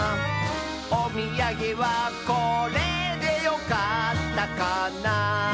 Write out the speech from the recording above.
「おみやげはこれでよかったかな」